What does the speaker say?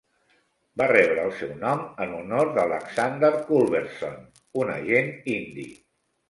Va rebre el seu nom en honor d'Alexander Culbertson, un agent indi.